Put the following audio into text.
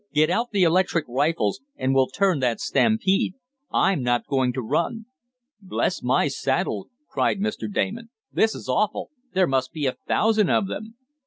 "Get out the electric rifles, and we'll turn that stampede. I'm not going to run." "Bless my saddle!" cried Mr. Damon. "This is awful! There must be a thousand of them."